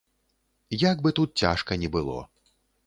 Як бы тут цяжка ні было.